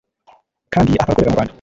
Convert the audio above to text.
kandi akaba akorera mu rwanda